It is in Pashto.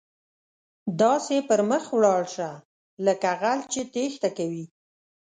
داسې پر مخ ولاړ شه، لکه غل چې ټیښته کوي.